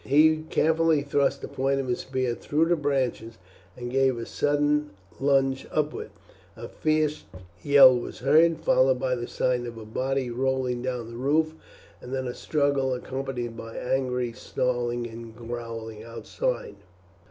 He carefully thrust the point of his spear through the branches and gave a sudden lunge upwards. A fierce yell was heard, followed by the sound of a body rolling down the roof, and then a struggle accompanied by angry snarling and growling outside.